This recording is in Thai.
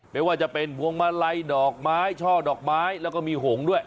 ไม่ว่าจะเป็นพวงมาลัยดอกไม้ช่อดอกไม้แล้วก็มีหงด้วย